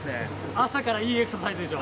朝からいいエクササイズでしょ。